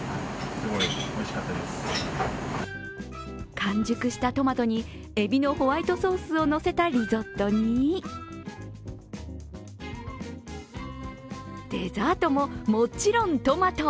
完熟したトマトに、えびのホワイトソースを乗せたリゾットにデザートも、もちろんトマト。